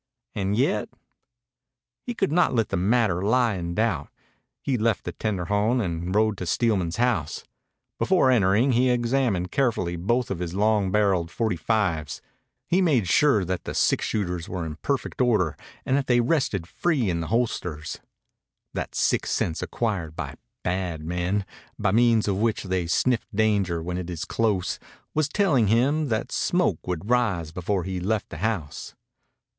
And yet He could not let the matter lie in doubt. He left the tendejon and rode to Steelman's house. Before entering he examined carefully both of his long barreled forty fives. He made sure that the six shooters were in perfect order and that they rested free in the holsters. That sixth sense acquired by "bad men," by means of which they sniff danger when it is close, was telling him that smoke would rise before he left the house.